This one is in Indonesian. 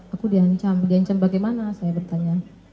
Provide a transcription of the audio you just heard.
aku di ancam di ancam bagaimana saya bertanya